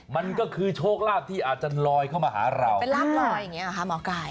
มันก็คือโชคลาภที่อาจจะลอยเข้ามาหาเราเป็นลาบลอยอย่างนี้หรอคะหมอไก่